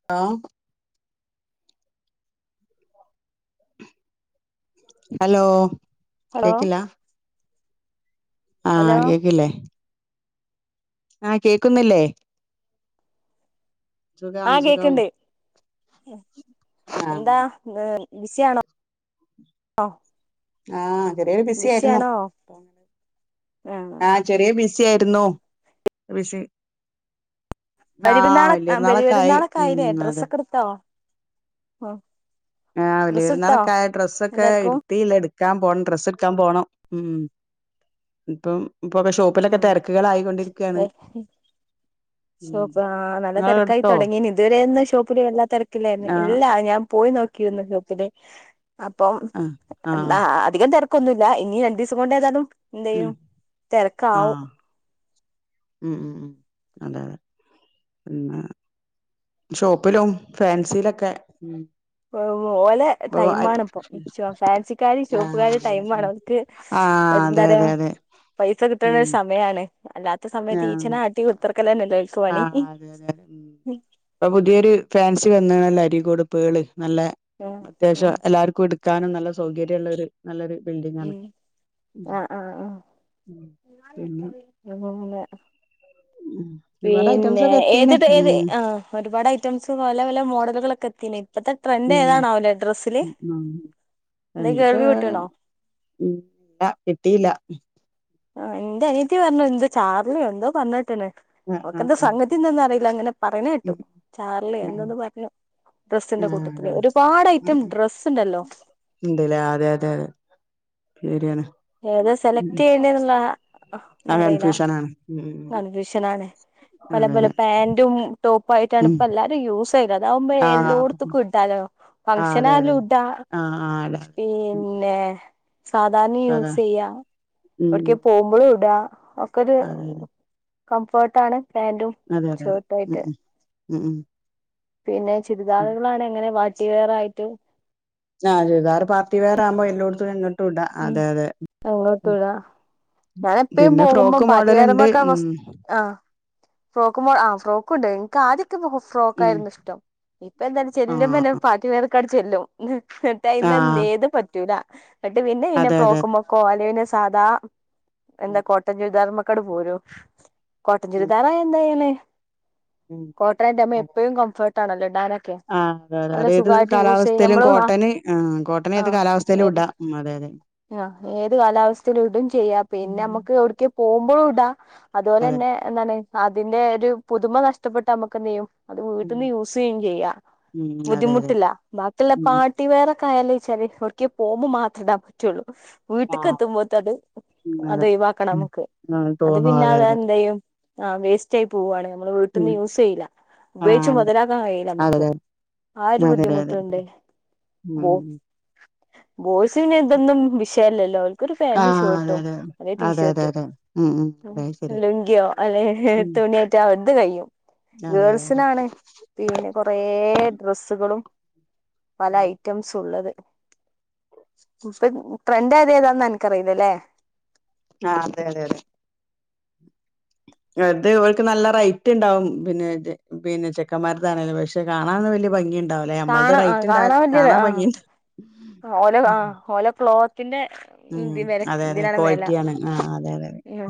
[unintelligible] Hello hello കേക്കില്ലാ hello ആഹ് കേക്കില്ലേ ആഹ് കേക്കുന്നില്ലേ സുഖാണ് ആഹ് സുഖം കേക്ക്ണ്ട് ഉം ആഹ് എന്താ ഏഹ് ബിസി ആണോ? ആഹ് ചെറിയൊരു ബിസി ആയിരുന്നു ബിസിയാണോ ആ [inaudible] ആഹ് ചെറിയ ബിസി ആയിരുന്നു ബിസി ബലിപെരുന്നാള് വല്യ ആഹ് പെരുന്നാളൊക്കെ ആയി ബലിപെരുന്നാളൊക്കൊ ഉം ആയിലേ അതെ ഡ്രെസ്സൊക്കെ എടുത്തോ? ആഹ് ഡ്രസ്സ് എടുത്തോ ബലിപ്പെര്ന്നാളൊക്കെ ആയി ഡ്രസ്സൊക്കെ എല്ലാർക്കും എട്ത്തില്ലാ എട് ക്കാൻ പോണം ഡ്രസ്സ് എടുക്കാൻ പോണം ഉം ഇപ്പം ഇപ്പൊക്കെ ഷോപ്പിലൊക്കെ ഉം തെരക്കുകളായിക്കൊണ്ടിരിക്കാണ് ശോപ്പ് ആഹ് നല്ല തെരക്കായി എടുത്തോ തൊടങ്ങീന് ഇതുവരെ ഇന്ന് ഷോപ്പില് വല്ലാ തെരക്കിലായിരുന്നു ആഹ് ഇല്ലാ ഞാൻ പോയി നോക്ക് ക്കിയിരുന്നു ഷോപ്പില് അപ്പം [unintelligible] ആഹ് ആഹ് അധികം തെരക്കൊന്നുല്ലാ ഇനി രണ്ടു ദിവസം കൊണ്ട് ഏതാലും എന്ത്‌ ഉം ചെയ്യും തെരക്കാവും ആഹ് ഉം ഉം ഉം അതെ അതെ [unintelligible] ഷോപ്പിലും ഫേൻസിലൊക്കെ ഉം ഓ ഓ ഓലെ ഇപ്പൊ ടൈമാണ് ഇപ്പം ഷോ ഫാൻസിക്കാരേം ഷോപ്പുകാരേം ടൈമാണ് ഓൽക്ക് ആഹ് ആഹ് അതെ അതെ അതെ പൈസ കിട്ടണ ഉം ഒരു സമയാണ് അല്ലാത്ത സമയത്ത് ആഹ് ഈച്ചനെ ആട്ടി കുത്തർക്കലെന്നെയല്ലേ ഓൽക്ക് പണി ആഹ് അതെ അതെ അതെ ഉം ഇപ്പൊ പുതിയൊരു ഫാൻസി വന്ന്ണല്ലോ അരിക്കോട് പേള് നല്ലെ [unintelligible] അത്യാവശ്യം എല്ലാര്ക്കും എടുക്കാനും നല്ല സൗകര്യള്ള ഒരു നല്ലൊരു ബിൽഡിംങ്ങാണ് ഉം ഉം ആഹ് ആഹ് ആഹ് ഉം പിന്നെ [unintelligible] ഉം ഒരുപാട് ഐറ്റംസ് പിന്നെ ഒക്കെ എത്തീണ് ഏത് ടൈ ഏത് ഉം ആഹ് ഒരുപാട് ഐറ്റംസ് പല പല മോഡലുകളൊക്കെ എത്തീന് ഇപ്പത്തെ ട്രെൻഡ് ഉം ഏതാണാവോല്ലെ ഡ്രസ്സില് ഉം എന്തെ എന്റെപ്പ കേൾവി പെട്ടീണോ ഉം ഇല്ലാ കിട്ടീല്ലാ ആഹ് ഇന്റെ അനിയത്തി പറഞ്ഞു എന്താ ചാർലിയോ എന്തോ പറഞ്ഞ് കേട്ട്ണ് ആഹ് ഓക്കെന്താ ആഹ് ആഹ് സംഗതി എന്താന്ന് അറിയില്ലാ അങ്ങനെ പറേണ കേട്ടു ചാർലി ഉം എന്തൊന്ന് പറഞ്ഞു ഡ്രസ്സിന്റെ ആഹ് ആഹ് കൂട്ടത്തില് അതെ ഒരുപാട് ഐറ്റം ഡ്രസ്സ് ഇണ്ടല്ലോ ഇണ്ട്ലെ അതെ അതെ അതെ ശരിയാണ് ഏത ഉം സെലക്ട് ഉം ചെയ്യണ്ട എന്നുള്ള ത ആ അറീല കൺഫ്യൂഷനാണ് ഉം കൺഫ്യൂഷൻ ആണ് പല പല ഉം പാന്റും ടോപ്പും ആയിട്ടാണ് ഉം അതെ അതെ ഉം ഇപ്പ എല്ലാരും യൂസ്ചെയ്യ അതാവുമ്പോ ആഹ് എല്ലാട്ത്തക്കും ഇടാലോ ആ അതെ അതെ ഫംഗ്ഷനാലുംടാ ആഹ് ആഹ് പിന്നെ ന്നെ സാധാണി അതെ യൂസ് ചെയ്യാ ഉം ഉം. അതാ ഉം വിടെക്കെ ഉം. പോമ്പോളും ഇടാ ക്കോരു അതെ അതെ കംഫേട്ടാണ് പ്യാന്റും അതെ അതെ അതെ ഉം ഷേർട്ടുവായിട്ട് ഉം ഉം ഉം പിന്നെ അതെ. ചുരുദാറുകളാണ് എങ്ങനെ പാർട്ടി വെയരായിറ്റും ആഹ് ചുരിദാറ് പാർട്ടിവേർ ആമ്പോ എല്ലോടുത്തും രണ്ടാ - ഉം എങ്ങോട്ടുംടം ഞാന്പ്പഴും പിന്നെ പോകുമ്പോ ഫ്രോക്ക് മോഡല്ണ്ട് പാറ്റിവേർന്നാക്കാ ഉം ഫസ്റ്റ് ആഹ് ഫ്രോക്കുമോ ആ ഫ്രോക്കൊണ്ട് നിക്കാദ്യം [unintelligible] ഉം ഫ്രോക്കായിരുന്നു ഇഷ്ടം ഇപ്പന്തായാലും ചെല്ലുബന്നെ ആഹ് പാർട്ടി വെയർ ക്കാണ്ട് ചെല്ലും എന്നിട്ടായിന്ന് ആഹ് എന്തെ ഏത് പറ്റൂല ന്നിട്ട് പിന്നെ അയിനെ അതെ അതെ ഫ്രോക്കുമോ കോലെയിന് സാധാ എന്താ ഉം കോട്ടൻ ചുരിദാർമ്മക്കട് പോരൂ കോട്ടൺ ഉം ചുരിദാറാന്തായ്യാന്നെ ഉം കോട്ടണന്റെഅമ്മേ അതെ എപ്പഴും കംഫോട്ടാണല്ലോഡാനെ- ആഹ് അതെ അതെ അത് എത് കാലാവസ്ഥതേലും ഞമ്മള് ആ കോട്ടന് ആ കോട്ടനെത് കാലാവസ്ഥയിലും ഇടാം ഉം അതെഅതെ ആഹ് ഏത് കാലാവസ്ഥതേലോ ഇടും ചെയ്യാ പിന്നെ ഉം. നമ്മക്ക് എവിടെക്ക്യോ പോവുമ്പളും ഇടാ അതുപോലെ അതെ തന്നെ എന്താണ് അതിന്റെ ഒരു പുതുമ നഷ്ടപ്പെട്ട് നമ്മക്കെന്തെയ്യും അത് ഉം വീട്ടന്ന് യൂസെയ്യെ ചെയ്യ ഉം അതെ അതെ ബുദ്ധിമുട്ടില്ല ബാക്കിള്ള ഉം പാ- ട്ടിവേറെക്കായാല് ചോല് ഒട്ക്കേ പോമ്പോ മാത്രടാ പറ്റുള്ളൂ വീട്ടിക്ക് ആഹ് എത്തുമ്പോത്തത് ഉം അതെ അത് ഒഴിവാക്കണം ഉം നമ്മക്ക് ആഹ് അത് തോന്നും പിന്നെ അതെ അത അതെ എന്തെയും ആഹ് വേസ്റ്റയി പോവാണ് നമ്മള് വീട്ടന്ന് ഉം യൂസ്സേയ്ല്ല ഉപയോഗിച്ച് ആഹ് മുതലാക്കാൻ കഴിയില്ല അതെ നമ്മക്ക് അതെ ആഹ് ഒരു അതെ അതെ അതെ ബുദ്ധിമുട്ടൊണ്ട് ഉം ബോയിസ്സ്ന്നെ ഇതൊന്നും വിഷയല്ലല്ലോ അ- ഒരു പ്യാന്റും ആഹ് അതെ ഷേർട്ടും അതെ അല്ലെ ടീ അതെ അതെ ഷേർട്ട് അതെ ഉം ഉം അതെ ശരിയാ ലുങ്കിയോ അല്ലെ ഉം തുണിയ- അവർത് കഴിഞ്ഞു അതെ അതെ അതെ ഗേൾസിനാണ് പിന്നെ കൊറേ ഡ്രസ്സുകളും പല ഐറ്റംസ് സുള്ളത് ഇപ്പം ട്രെൻന്റെതേതാന്ന് എനക്കറിയില്ലല്ലേ ആഹ് അതെ അതെ അതെ അതെ ഒൽക്ക് നല്ല റൈറ്റ് ഇണ്ടാവും പിന്നെതെ പിന്നെ ചെക്കമാരതാണേലും പക്ഷെ കാണാനോന്നും വല്യ ഭംഗിണ്ടാവില്ല അമ്മലത് കാണാ ആ റൈറ്റ്ണ്ടാലും കാണാ ഭംഗി ണ്ട് ആഹ് ഓല ആ ഓല ക്ലോത്തിന്റെ ഉം ഇതിവേര അതെ അതെ ഇന്തിനാണ് വില ക്വാളിറ്റിയാണ് ആഹ് അതെ അതെ അതെ ഉം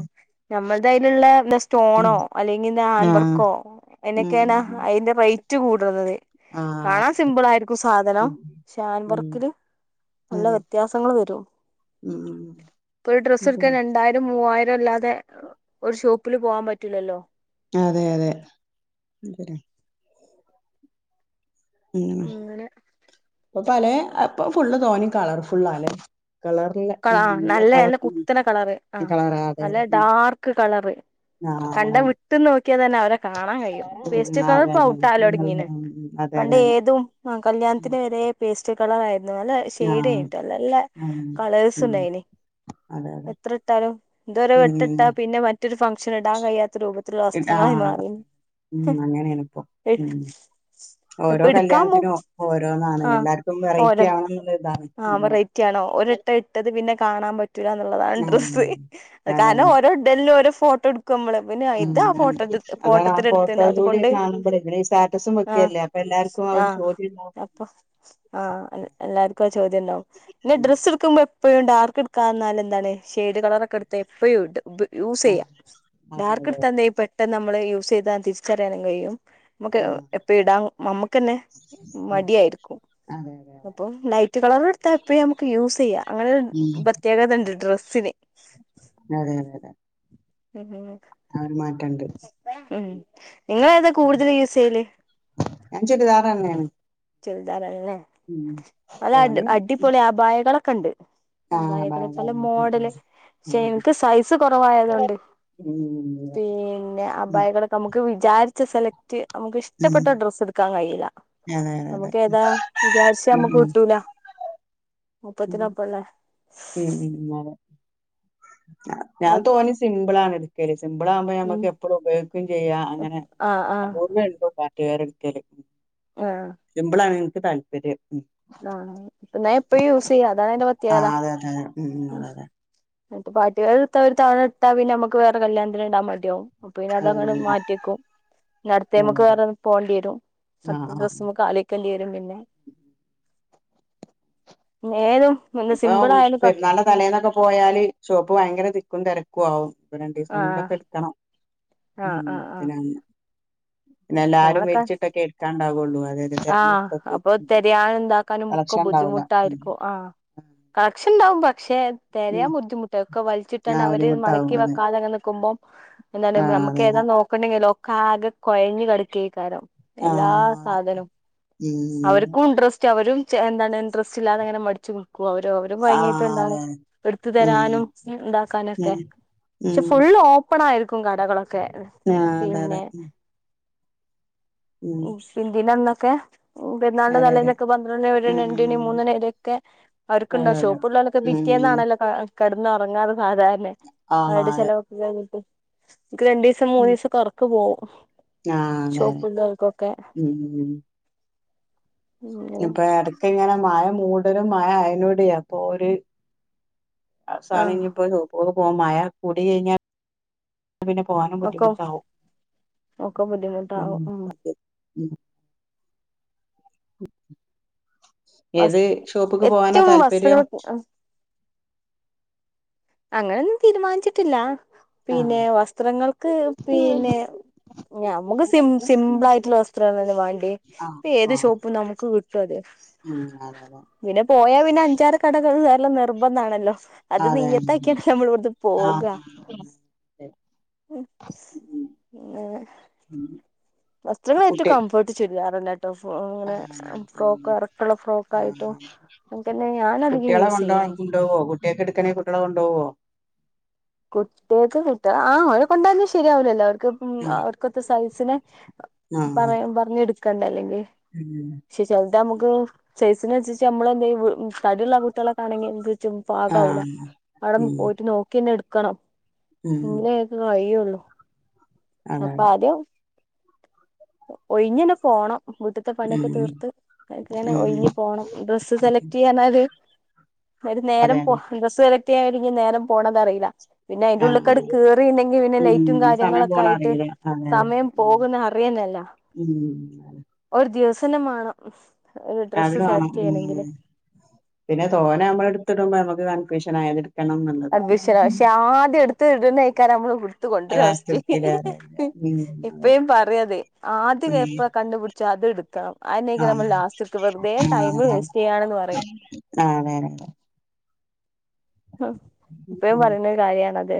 നമ്മൾ തയ്നുള്ള ബേസ്സ് - ഉം സ്റ്റോണോ അല്ലെങ്കിൽ ആഹ് ആൻവാർക്കോ എന്നൊക്കെയാണ് ഉം അയിന്റെ പൈ- കൂടുന്നത് ആഹ് കാണാൻ അതെ അതെ സിമ്പിൾ ആയിരിക്കും സാധനം ഉം ഷാൻവർ ഉം ക്കിലും നല്ല അതെ വ്യത്യാസങ്ങള് വേരും ഉം ഇപ്പരു ഡ്രസ്സ് എടുക്കാൻ ശരിയാ രണ്ടായിര- മൂവായിരം അല്ലാതെ ഒരു ഷോപ്പില് പോവാൻ പറ്റൂല്ലല്ലോ അതെഅതെ എന്തരാ ഉം അങ്ങനെ പ്പോ പലേ ഫുള്ള് തോനെ കളർ ഫുള്ളാല്ലേ കളർലെ കള ഉം ആ നല്ല കളർ കുത്തനെ കളറ് ആ കളറ അതെതെ നല്ല ഡാർക്ക് കളറ് ആഹ് കണ്ട വിട്ടുന്ന് നോക്കിയാതന്നെ അവരെ- കാണാൻ കയ്യും പേസ്റ്റൊക്കെ ഉം അത് അതെ അതെ അതെ നല്ല പൗട്ടാവലൊടങ്ങിണ് ഉം അതെ പണ്ട് അതെ അതെ ഏതും ഉം കല്യാണത്തിന് വെരെ പേസ്റ്റ് കളറായിരുന്നു നല്ലെ ആഹ് ഷെയ്ഡിയായിട്ട നല്ലെ ആഹ് കളേ‌സ് ഉം ണ്ടായിന് അതെ അതെ എത്ര ഇട്ടാലും ഇതൊരെ ഉം വട്ടിട്ടാ പിന്നെ മറ്റ് - റ്റൊരു ഫംഗ്ഷൻ ഇടാൻ കയ്യാത്ത രൂപത്തിലുള്ള വസ്ത്രങ്ങളായി ആഹ് മാറി ഉം അങ്ങനെണിപ്പോ ഉം ഇപ്പൊ ഓരോ എടുക്കാൻ പോ കല്യാത്തിനും ഓരോന്നാണ് എല്ലാർക്കും വെറൈറ്റി ആവണം ന്ന്ള്ളതാണ് ആ വെറൈറ്റി ആണോ ഓരിട്ട ഇട്ടത് പിന്നെ കാണാൻ പ - റ്റാന്ന് ന്ന്ള്ളതാണ് ഉം ഡ്രസ്സ് ആഹ് അതെ അതെ കാര്ണം ഓരോ ഇടൽനോരോ ഫോട്ടോ ട് ക്കുമ്മള് പിന്നെ ആഹ് ഇതാ അതാണ് ഫോട്ടോട് അതാണ് ആ ഫോട്ടോത്തിട്ത്തിണ് ഫോട്ടോയിലൂടെ അതുകൊണ്ട് കാണുമ്പോഴേ ഇവിടെ ഈ സ്റ്റാറ്റസും ആ വെക്കല്ലേ അപ്പൊ എല്ലാർക്കും ആ ഒരു ചോദ്യം ഉണ്ടാവും അപ്പം ആ എല്ലാർക്കാ ചോദ്യണ്ടാവും ന്നെ ഉം. ഡ്രസ്സ് സ്സ്ട്ക്കുമ്പോ എപ്പഴും ഡാർക്ക്ക്കാന്നാലെന്താണ് ഷെയ്ട് കളറൊക്കെ എടുത്താ എപ്പെയും ടും ബ് യൂസെയ്യാ ആഹ് അതെ അതെ ഡാർക്ക്ട്ത്ത ന്തെയ്യും പെട്ടെന്ന് നമ്മള് യൂസെയ്താ തിരിച്ചറിയാനും കയ്യും നമ്മക്ക് ആഹ് എപ്പ ഇടാൻ നമ്മക്കെന്നെ മടിയായിരിക്കും അതെ അതെ അതെ അപ്പം നൈ റ്റ് കളറ്ട്ത്താപ്പ എപ്പയും നമ്മക്ക് യൂസെയ്യാ അങ്ങനൊരു ഉം പ്രത്യേകതണ്ട് ഡ്രസ്സിന് അതെ അതെതെ ഉം അ ഒര് മാറ്റണ്ട് ഉം ങ്ങളേതാ കൂടുതൽ യൂസെയ്യല് ഞാൻ ചുരിദാറെന്നെണ് ചുരിതാറെന്നെ നല്ല അടി തോനെ അടി പൊളി അഭായകളൊക്കെണ്ട് ആഹ് അബായകള് പല ബാഗാണ്. ഉം ഉം. മോഡല് ഉം പക്ഷേ ഉം. ഇൻക്ക് സൈസ് കൊറവായതോണ്ട് ഉം. പിന്നെ ഉം. അബായകള് നമുക്ക് വിചാരിച്ച സെലക്ട് നമുക്ക് ഉം. ഇഷ്ടപ്പെട്ട ഡ്രസ്സ്ട്ക്കാൻ കയ്യില്ല അതെ അതെ അതെ നമുക്ക് ഏതാ വിചാരിച്ചത് നമുക്ക് ഉം കിട്ടൂല ഉം ഒപ്പത്തിനൊപ്പല്ലേ ഉം ഉം ആ ഞാൻ തോനിം സിംമ്പിളാണ് ട് ക്കല് സിമ്പിളാകുമ്പോ ഉം ഞമ്മക്ക് എപ്പളും ഉപയോഗിക്കും ചെയ്യാ അങ്ങനെ ആഹ് ആഹ് അപൂർവ്വെ ള്ളു ക കേറിട്ക്കല് ആ സിമ്പിളാണ് ഇൻക്ക് താല്പര്യം ഉം ആഹ് ന്നാ എപ്പഴും യൂസെയ്യാ അതാണയ്ന്റെ പ്രേത്യേകത ആ ഉം ന്ന്ട്ട് പാട്ടി വെയർ ഇട്ത്ത ഒരു തവണ ഇട്ടാ പിന്നെ നമ്മക്ക് വേറെ കല്യാണത്തിന് ഇടാൻ മടിയാവും അപ്പൊ പിന്നെ അതങ്ങനെ അതെ മാറ്റിയെക്കും പിന്നെ അട്ത്തേയ്മ്മക്ക് വേറെ പോണ്ടിയെരും ആഹ് അട്ത്ത ആഹ് ഡ്രസ്സ്‌മ്മക്കാല് ക്കെണ്ടിരും പിന്നെ ഏതും ഒന്ന് ഇപ്പൊ സിമ്പിളായാലും പ പെരുന്നാളിന്റെ തലേന്നൊക്കെ പോയാല് ഷോപ്പ് ഭയങ്കര തിക്കും തെര ക്കുവാവും പ്പൊ രണ്ടിസം ആഹ് കൊണ്ടൊക്കെ ഇട്ക്കണം ഉം ആഹ് ആഹ് ആഹ് പിന്നെല്ലാരും വെൽച്ചിട്ടൊക്കെ ഇട്ക്കാണ്ടാവൊള്ളു ർ ആ അപ്പൊ തെരയാനും താക്കാനും ഒക്കെ കളക്ഷൻ ഉണ്ടാവൂല ഉം ബുദ്ധിമുട്ടായിരിക്കും ആ കാക്ഷ്ണ്ടാവും പക്ഷേ ഉം തെരയാൻ ബുദ്ധിമുട്ട ഒക്കെ വലിച്ചിട്ടാണ്ട് ആഹ് അവര് ബുദ്ധിമുട്ടാവും മടക്കി അതെ വെക്കാതെങ്ങ നിക്കുമ്പം എന്താലും ആഹ് അതെ അതെ നമ്മക്കേതാ നോക്കണ്ടെങ്കില ഒക്കാകെ കൊയഞ് കെടക്കേക്കാരം എല്ലാ ആഹ് ധനും ഉം അവർക്കും ഇൻട്രസ്റ്റ് അവരും എന്താണ് ഇൻട്രസ്റ്റ്ല്ലാതെങ്ങനെ മടിച്ച് കൊ അവര അവരും ആഹ് അതെ മയങ്ങീട്ടുണ്ടാകും അതെ എടുത്തു ഉം തരാനും ണ്ടാക്കാനൊക്കെ പക്ഷെ ഉം ഫുള്ള് ഓപ്പൺ ആയിരിക്കും കടകളൊക്കെ ആഹ് അതെ അതെ പിന്നെ ഉം ഉ ശി ദിനന്നൊക്കെ പെരുന്നാളുടെ അതെ അതെ തലേന്നൊക്കെ പന്ത്രണ്ട് ഒരുമണി രണ്ടിണി ഉം മൂന്നണി വരൊക്കെ അവർക്കുണ്ടോ അതെ അതെ ഷോപ്പ്‌ ഉള്ളാലൊക്കെ ഉം പിറ്റേന്നാണല്ലോ കാ കിടന്ന് ഒറങ്ങാതെ സാധാരണ ആഹ് അവരുടെ അതെ ചിലവൊക്ക കഴിഞ്ഞിട്ട് നിക്ക്‌ രണ്ടിസ് ദസം മൂന്ന് ദിവസം ഒക്കെ ഉറക്ക്‌ പോവും ആഹ് അതെ ഷോപ്പ് അതെ ഉള്ളവർക്കൊക്കെ ഉം ഉം ഇപ്പൊ ഇടക്ക്‌ ഇങ്ങനെ മഴ മൂടലും മഴ അയനോടെയ അപ്പൊ ഓര് അവസാനം ആഹ് ഇനിയിപ്പോ ഷോപ്പിലേക്ക് പോം മഴ കൂടി കഴിഞ്ഞാൽ പിന്നെ പോകാനും ഒക്കെ ബുദ്ധിമുട്ടാവും ഒക്കെ ബുദ്ധിമുട്ടാവും മ് ഉം ഉം വസ് ഏത് ഷോപ്പക്ക് പോവാനാ ഏറ്റവും താല്പര്യോ വസ്ത്രങ്ങൾ അങ്ങനെന്നും തീരുമാനിച്ചിട്ടില്ല ആഹ് പിന്നെ വസ്ത്രങ്ങൾക്ക് പിന്നെ നമുക്ക് സിം സിമ്പിൾ ആയിട്ടുള്ള വസ്ത്രോക്കെയാണ് വേണ്ടിയെ ആഹ് ഇപ്പ ഏത് ആഹ് ഷോപ്പും നമുക്ക് കി ചോദ്യ ഉം അളവാ പിന്നെ പോയാൽ പിന്നെ അഞ്ചാറ് കടകൾ കേറൽ നിർബന്ധമാണല്ലോ അത് നീ അതെ അതെ അതെ തൈക്കാതെ നമ്മളോവിടുന്ന് പോക ആഹ് ഉം ഉം അങ്ങനെ ഉം വസ്ത്രങ്ങൾ ഏറ്റം കുട്ടി കംഫോർട്ട് ചുരിദാർന്നെ ട്ട് ഫോ അങ്ങനെ ആഹ് ഫ്രോക്ക് ഇറക്കുള്ള ഫ്രോക്കായിട്ടും ആഹ് എൻതന്നെ ഞാൻ അധികം യൂസ് ചെയ്യാറ് കൊണ്ടൊവോ കുട്ടികക്കെടുക്കണേ കുട്ടിയോളെ കൊണ്ടോവോ കുട്ടികക്ക്‌ കിട്ട ആഹ്‌ അവരെ കൊണ്ടവാഞ്ഞ ശരിയാവൂലല്ലോ അവർക്കിപ്പം ആ അവർക്കൊത്ത സൈസിന് ആ പറയം പറഞ്ഞെടുക്കണ്ടെ അല്ലെങ്കിൽ ഉം പക്ഷെ ചിലത് നമുക്ക് സൈസിനനുസരിച്ച് നമ്മൾ എന്ത്‌ ചെയ്യും തടിയുള്ളള്ള കുട്ടികളെക്കെണെങ്കിൽ എന്ത് ചും ആ പാകായില്ല അവിടെ ഉം പോയിട്ട് നോക്കിന്നെ എടുക്കണം ഉം എങ്കിലേ ഒരു വഴി ഒള്ളു അതെ അപ്പൊ അതെ അത് ഒഴിഞ്ഞന്നെ പോണം മുറ്റത്തെ ഉം പണിയൊക്കെ തീർത്ത് കനെ ഉം ഒഴിങ്ങി പോണം ഡ്രസ്സ് സെലക്ട് ചെയ്യാനത് ഒരു അതെ നേരം പോ അതെ ഡ്രസ്സ് സെലക്ട്‌ ചെയ്യാൻ ഒരുങ്ങി നേരം പോകണത് അറിയില്ല പിന്നെ അതിന്റെ ആ ഉള്ളക്കട് അതെ. കേറിണ്ടെങ്കിൽ പിന്നെ ലൈറ്റും ഉം സമയം കാര്യങ്ങളൊക്കെ പോണ ആയി ട്ട് അറിയില്ല അതെ അതെ സമയം അതെ ഉം പോകുന്ന അറിയന്നില്ല ഉം അതെ. ഒരു ദിവസന്ന വേണം ഒരു അത് ഡ്രസ്സ് വേണം സെലക്ട് ഉം ചെയ്യണമെങ്കില് പിന്നെ തോനെ നമ്മളെടുത്തിടുമ്പോ നമുക്ക് കൺഫ്യൂഷൻ ആയതിടും കൺഫ്യൂഷന പക്ഷെ ആദ്യം എടുത്ത് ഇടുന്ന അയ്ക്കാരം നമ്മള് എടുത്തു കൊണ്ടരാ ലാസ്റ്റ് ഫസ്റ്റ് എടുക്കില്ലേ എപ്പഴും പറയത് ആദ്യ കേപ്പ കണ്ടുപിടിച്ചാ അത് എടുക്കണം അതിനക്ക നമ്മൾ ലാസ്റ്റടുക്കും വെറുതെ ടൈം വേസ്റ്റ് ചെയ്യാണന്ന് പറയും ആഹ്‌ അതെതെതെ ഹൊ എപ്പഴും ഉം പറയുന്നൊരു കാര്യാണത്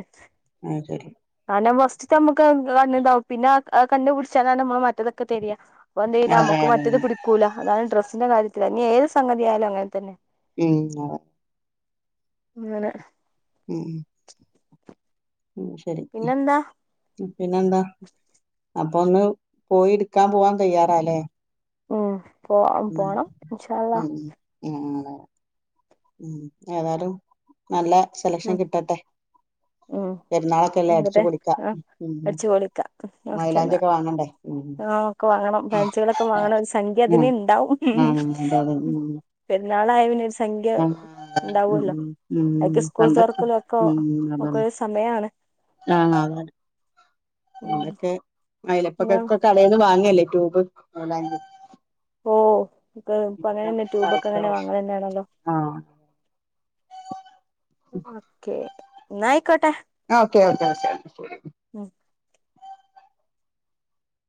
അതെ ഉം ആ ആ അതെ ആ അതെ അതെ അതെ ഉം അത് ശരി അല്ല ഫസ്റ്റ് നമ്മുക്ക് കണ്ണുതാവും പിന്നെ കണ് പിടിച്ചാലാണ് നമ്മൾ മറ്റത് പ്പ തിരയാ വന്തേല അതെ നമക്ക് അതെ അതെ മറ്റത് പിട് കൂല അതാണ് ഡ്രസ്സിന്റെ കാര്യത്തിൽ ഇനി ഏത് സംഗതിയാലും അങ്ങനെ തന്നെ ഉം അതെ. ങ്ങനെ ഉം. [inaudible] ഉം ശരി പിന്നെന്താ ഉ. പിന്നെന്താ അപ്പൊ ഒന്ന് പോയിട്ക്കാൻ പോവാം തയ്യാറാല്ലേ. ഉം പോ ഉം പോണം ഇന്ഷാ അല്ലഹ്. ഉം ഉം ഏതാലും നല്ല സെലക്ഷൻ ഉം കിട്ടട്ടെ. ഉം പെര്ന്നാളൊക്കെ എല്ലേ അടിച്ചു ആയിക്കോട്ടെ പൊളിക്കാ, ആ ഉം ഉം അടിച്ചു പൊളിക്ക മയിലാഞ്ചി ഒക്കെ വാങ്ങണ്ടേ. ഉം ആഹ്‌ ഒക്കെ വാങ്ങണം ഫേൻസികളൊക്കെ വാങ്ങണം ഒരു സംഖ്യ അതിന് ഉം ഇണ്ടാവും. ആഹ് അതെ അതെ ഉം പെര്ന്നാളായ പിന്നെ ഒരു സംഖ്യ ആഹ് ഉം ണ്ടാവൂല്ലോ, ഉം ഉം അയ്ക്ക് സ്കൂൾ പണ്ടൊക്കെ തൊറക്കലൊ ഒക്കെ ഒക്ക ഒര് സമയാണ്. ആഹ്‌ അതാണ് ഉം അതൊക്കെ അയലെ എന്നാ പ്പൊക്കൊക്കേ കടേന്ന് വാങ്ല്ലേ ട്യൂബ് മയ്ലാഞ്ചി. ഓഹ്‌ ഇപ്പ ഇപ്പൊ അങ്ങനെന്നെ ട്യൂബൊക്കെ അങ്ങനെ വാങ്ങലന്നേണല്ലോ. ആഹ് ഓക്കെ ന്നായിക്കോട്ടെ. ആഹ് ഓക്കേ ഓക്കേ ഓക്കേ.